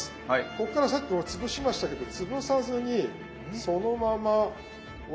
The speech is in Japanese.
こっからさっきは潰しましたけど潰さずにそのまま折り畳んでいく。